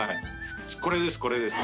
これです